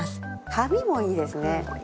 紙もいいですね。